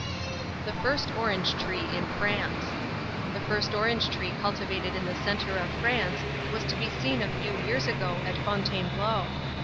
THE FIRST ORANGE TREE IN FRANCE. The first Orange tree cultivated in the centre of France was to be seen a few years ago at Fontainebleau.